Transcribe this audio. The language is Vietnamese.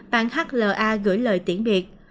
bạn hla gửi lời tiễn biệt